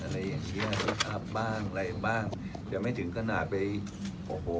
อะไรแบบนี้อัพบ้างอะไรบ้างแต่ไม่ถึงขนาดไปโอ้โห